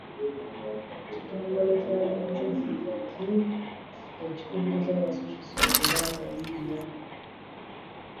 Ekitongole ky'ebyenjigiriza ki kubirizza abasomesa okuba abayiiya.